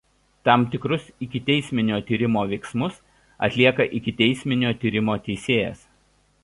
Tam tikrus ikiteisminio tyrimo veiksmus atlieka ikiteisminio tyrimo teisėjas.